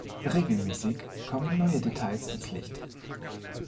Regelmäßig kommen neue Details ans Licht.